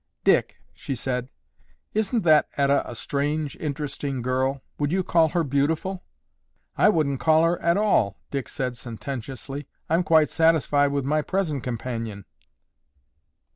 "Dick," she said, "isn't that Etta a strange, interesting girl? Would you call her beautiful?" "I wouldn't call her at all," Dick said sententiously; "I'm quite satisfied with my present companion."